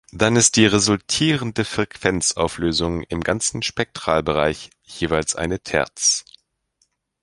Dann ist die resultierende Frequenzauflösung im ganzen Spektralbereich jeweils eine Terz.